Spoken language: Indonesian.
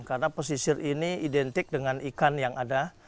karena pesisir ini identik dengan ikan yang ada